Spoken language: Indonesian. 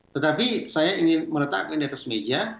tetapi saya ingin meletakkan diatas meja